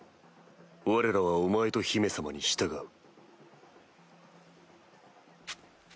われらはお前と姫様に従う。